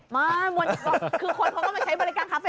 มาคือคนเขาก็มาใช้บริการคาเฟ่